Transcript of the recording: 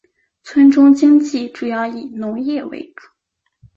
村中经济主要以农业为主。